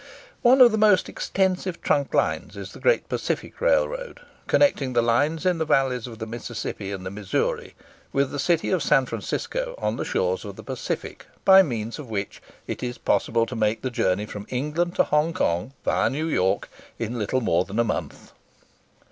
One of the most extensive trunk lines is the Great Pacific Railroad, connecting the lines in the valleys of the Mississippi and the Missouri with the city of San Francisco on the shores of the Pacific, by means of which it is possible to make the journey from England to Hong Kong, via New York, in little more than a month.